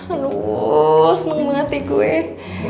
aduh seneng banget nih kuen